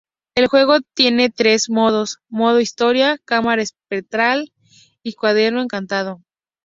El juego tiene tres modos: "Modo Historia", "Cámara Espectral" y "Cuaderno Encantado".